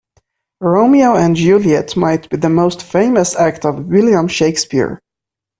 Romeo and Juliet might be the most famous act of William Shakespeare.